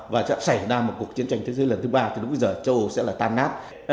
và sẽ xảy ra một cuộc chiến tranh thế giới lần thứ ba thì lúc bây giờ châu âu sẽ là tan nát